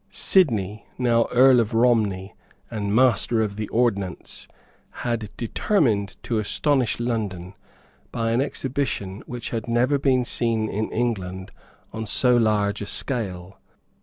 Sidney, now Earl of Romney and Master of the Ordnance, had determined to astonish London by an exhibition which had never been seen in England on so large a scale.